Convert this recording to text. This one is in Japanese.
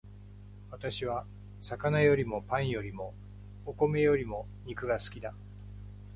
私は魚よりもパンよりもお米よりも肉が好きだ